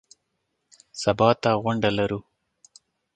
سبا ته غونډه لرو .